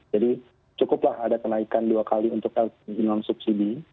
jadi cukuplah ada kenaikan dua kali untuk subsidi